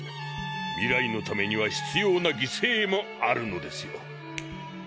未来のためには必要な犠牲もあるのですよ。